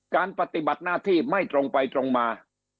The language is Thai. ปฏิบัติหน้าที่ไม่ตรงไปตรงมา